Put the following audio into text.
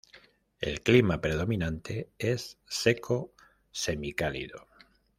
El clima predominante es seco semicálido.